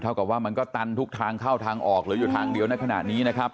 กับว่ามันก็ตันทุกทางเข้าทางออกหรืออยู่ทางเดียวในขณะนี้นะครับ